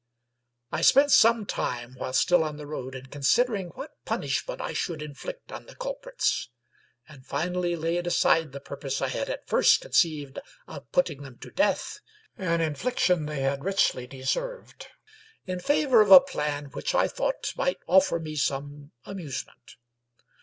I spent some time while still on the road in considering what punishment I should inflict on the culprits ; and finally laid aside the purpose I had at first conceived of putting them to death — an infliction they had richly deserved — 141 English Mystery Stories in favor of a plan which I thought might offer me some amusement.